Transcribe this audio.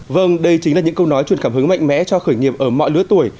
vâng đây chính là những câu nói truyền cảm hứng mạnh mẽ cho khởi nghiệp ở mọi lứa tuổi